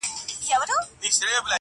له وړو او له لویانو لاري ورکي!.